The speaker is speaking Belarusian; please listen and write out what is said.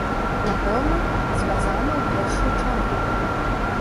Напэўна, звязана ў першую чаргу.